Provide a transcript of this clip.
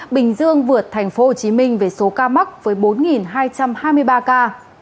bình dương vượt tp hcm về số ca mắc với bốn hai trăm hai mươi ba ca